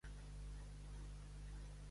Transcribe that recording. Qui puto és i puto es fa, són dos putos junts.